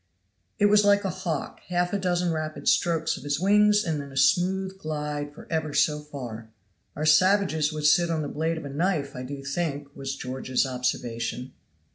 It was like a hawk half a dozen rapid strokes of his wings and then a smooth glide for ever so far. "Our savages would sit on the blade of a knife, I do think," was George's observation.